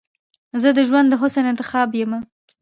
زه دژوند د حسن انتخاب یمه